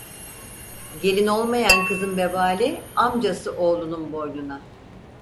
Gelin olmayan kızın vebali amcası oğlunun boynuna.